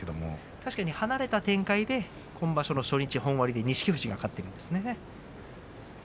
確かに離れた展開で今場所、本割では錦富士が勝っています。